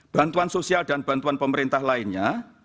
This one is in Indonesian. bantuan sosial dan bantuan pemerintah lainnya